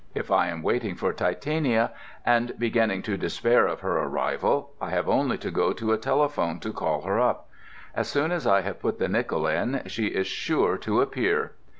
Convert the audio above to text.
If I am waiting for Titania, and beginning to despair of her arrival, I have only to go to a telephone to call her up. As soon as I have put the nickel in, she is sure to appear.